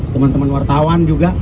teman teman wartawan juga